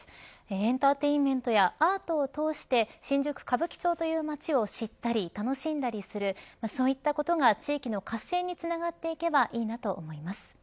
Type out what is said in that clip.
エンターテインメントやアートを通して新宿歌舞伎町という街を知ったり楽しんだりするそういったことが地域の活性に繋がっていけばいいなと思います。